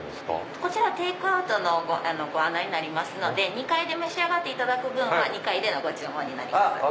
こちらテイクアウトのご案内になりますので２階で召し上がっていただく分は２階でのご注文になります。